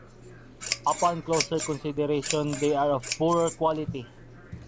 Upon closer consideration, they are of poorer quality.